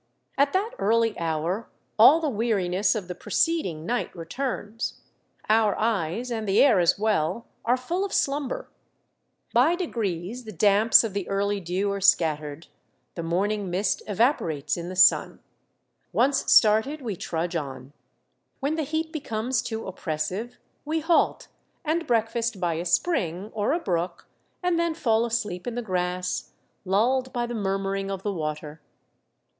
At that early hour all the weariness of the preceding night returns. Our eyes, and the air as well, are full of slumber. By degrees the damps of the early dew are scat tered, the morning mist evaporates in the sun. Once started, we trudge on. When the heat be comes too oppressive, we halt, and breakfast by a spring, or a brook, and then fall asleep in the grass, lulled by the murmuring of the water.